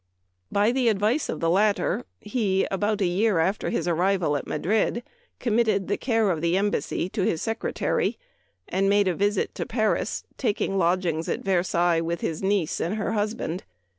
By the ad vice of the latter, he, about a year after his arrival at Madrid, committed the care of the Embassy to his Secretary and made a visit to Paris, taking lodgings at Versailles with his niece and her husband.